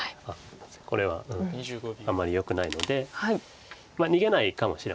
これはあんまりよくないので逃げないかもしれません。